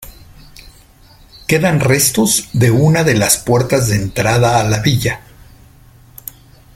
Quedan restos de una de las puertas de entrada a la villa.